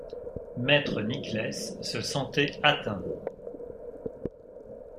Maître Nicless se sentait atteint.